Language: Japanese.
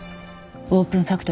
オープンファクトリーは？